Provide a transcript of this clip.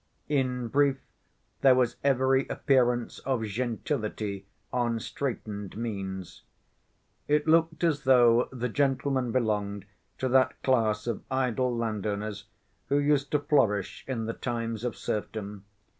In brief there was every appearance of gentility on straitened means. It looked as though the gentleman belonged to that class of idle landowners who used to flourish in the times of serfdom.